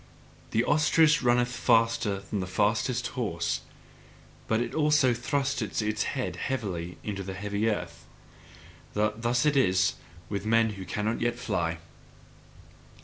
The ostrich runneth faster than the fastest horse, but it also thrusteth its head heavily into the heavy earth: thus is it with the man who cannot yet fly.